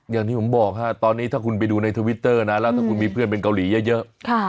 อย่างที่ผมบอกฮะตอนนี้ถ้าคุณไปดูในทวิตเตอร์นะแล้วถ้าคุณมีเพื่อนเป็นเกาหลีเยอะ